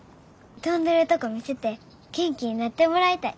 飛んでるとこ見せて元気になってもらいたい。